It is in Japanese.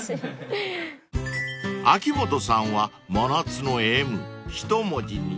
［秋元さんは真夏の「Ｍ」一文字に］